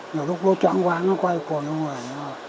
nhiều lúc nó cho án quán nó quay quần vô người